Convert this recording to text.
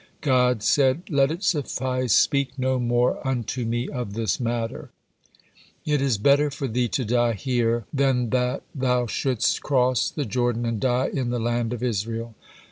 God said: "'Let it suffice, speak no more unto Me of this matter.' It is better for thee to die here, than that thou shouldst cross the Jordan and die in the land of Israel.